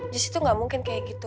jessi tuh gak mungkin kayak gitu